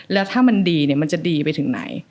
แล้วถ้ามันดีมันจะดีไปถึงไหน